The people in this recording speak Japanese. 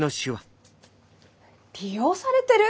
利用されてる？